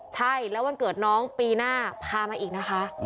ใช่แล้ววันเกิดน้องปีหน้าพามาอีกนะคะ